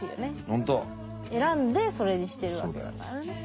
選んでそれにしてるわけだからね。